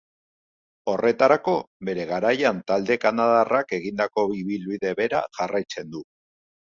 Horretarako, bere garaian talde kanadarrak egindako ibilbide bera jarraitzen du.